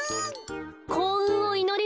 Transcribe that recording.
こううんをいのります。